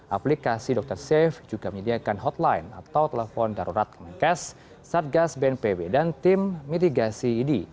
aplikasi dr safe juga menyediakan hotline atau telepon darurat kemenkes satgas bnpb dan tim mitigasi idi